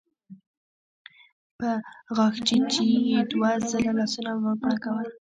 په غاښچيچي يې دوه ځله لاسونه وپړکول.